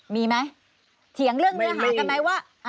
มีไหมเถียงเรื่องเนื้อหากันไหมว่า